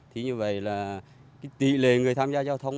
thì như vậy là cái tỷ lệ người tham gia giao thông